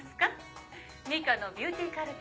『ミカのビューティーカルテ』